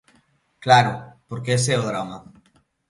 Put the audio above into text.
Claro, porque ese é o drama.